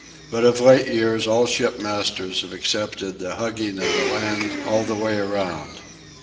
But of late years all shipmasters have accepted the hugging of the land all the way around.